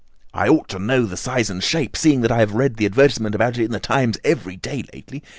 I ought to know its size and shape, seeing that I have read the advertisement about it in The Times every day lately.